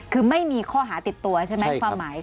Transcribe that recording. คือไม่มีข้อหาติดตัวใช่ไหมความหมาย